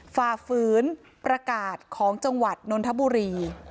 ฝ่าฝืนประกาศของจังหวัดนนทบุรี